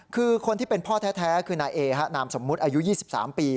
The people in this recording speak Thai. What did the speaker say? คือคนที่เป็นพ่อแท้คือนายเอนามสมมุติอายุ๒๓ปี